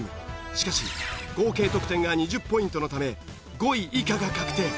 しかし合計得点が２０ポイントのため５位以下が確定。